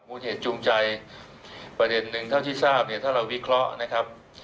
เหตุจูงใจประเด็นหนึ่งเท่าที่ทราบเนี่ยถ้าเราวิเคราะห์นะครับ